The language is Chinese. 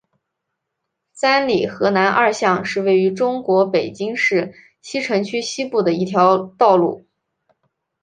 三里河南二巷是位于中国北京市西城区西部的一条道路。